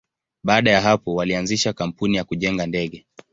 Baada ya hapo, walianzisha kampuni ya kujenga ndege.